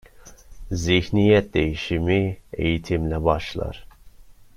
Zihniyet değişimi eğitimle başlar.